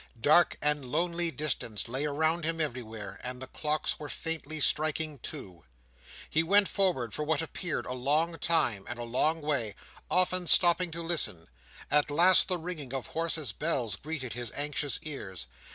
Dark and lonely distance lay around him everywhere, and the clocks were faintly striking two. He went forward for what appeared a long time, and a long way; often stopping to listen. At last the ringing of horses' bells greeted his anxious ears.